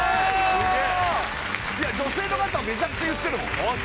すげえいや女性の方はめちゃくちゃ言ってるもんあっ